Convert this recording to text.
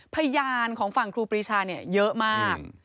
พยานของฝั่งครูปรีชาเยอะมาก